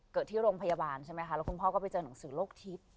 เกิดที่โรงพยาบาลใช่ไหมคะแล้วคุณพ่อก็ไปเจอหนังสือโรคทิพย์